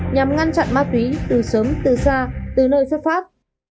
nhằm ngăn chặn ma túy từ sớm từ xa từ nơi xét pháp